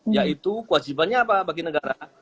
yaitu kewajibannya apa bagi negara